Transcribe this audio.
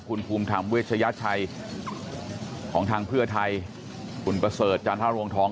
คุณภูมิธรรมเวชยชัยของทางเพื่อไทยคุณประเสริฐจันทรวงทอง